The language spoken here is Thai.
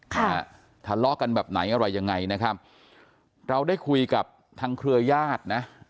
ค่ะทะเลาะกันแบบไหนอะไรยังไงนะครับเราได้คุยกับทางเครือญาตินะ